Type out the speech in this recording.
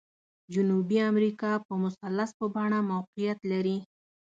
جنوبي امریکا په مثلث په بڼه موقعیت لري.